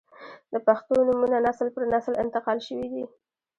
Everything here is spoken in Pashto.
• د پښتو نومونه نسل پر نسل انتقال شوي دي.